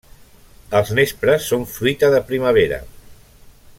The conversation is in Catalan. Els nespres són fruita de primavera.